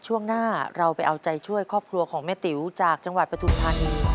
ช่วงหน้าเราไปเอาใจช่วยครอบครัวของแม่ติ๋วจากจังหวัดปฐุมธานี